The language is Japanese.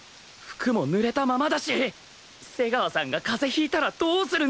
服もぬれたままだし瀬川さんが風邪引いたらどうするんだ！？